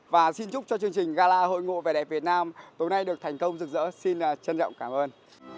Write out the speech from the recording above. và xin chúc cho chương trình gala hội ngộ vẻ đẹp việt nam tối nay được thành công rực rỡ xin trân trọng cảm ơn